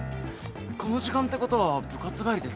この時間ってことは部活帰りですね。